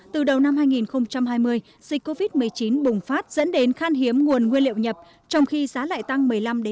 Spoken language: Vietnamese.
từ đầu năm hai nghìn hai mươi dịch covid một mươi chín bùng phát dẫn đến khan hiếm nguồn nguyên liệu nhập trong khi giá lại tăng một mươi năm